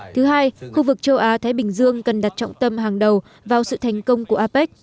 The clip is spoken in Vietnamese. thứ hai khu vực châu á thái bình dương cần đặt trọng tâm hàng đầu vào sự thành công của apec